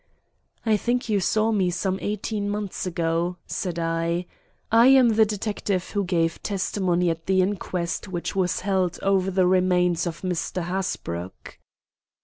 "I think you saw me some eighteen months ago," said I. "I am the detective who gave testimony at the inquest which was held over the remains of Mr. Hasbrouck."